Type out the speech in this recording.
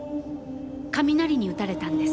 雷に打たれたんです。